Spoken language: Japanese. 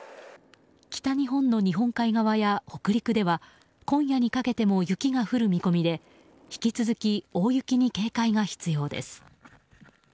北日本の日本海側や北陸では今夜にかけても雪が降る見込みで引き続き、大雪に警戒が必要です。